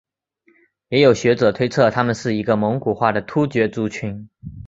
也有学者推测他们是一个蒙古化的突厥族群。